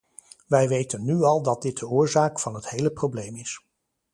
Wij weten nu al dat dit de oorzaak van het hele probleem is.